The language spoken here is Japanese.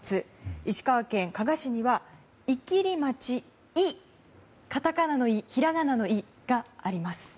石川県加賀市には伊切町と、カタカナの「イ」ひらがなの「い」があります。